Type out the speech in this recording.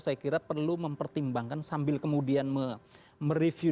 saya kira perlu mempertimbangkan sambil kemudian mereview